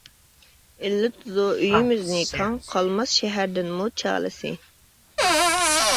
ئىللىتىدۇ ئۆيىمىزنى كاڭ، قالماس شەھەردىنمۇ چالىسى.